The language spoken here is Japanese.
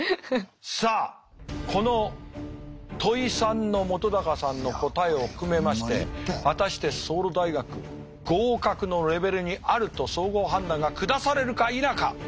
さあこの問３の本さんの答えを含めまして果たしてソウル大学合格のレベルにあると総合判断が下されるか否か。